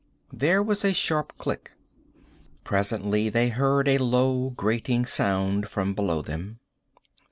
There was a sharp click. Presently they heard a low grating sound from below them.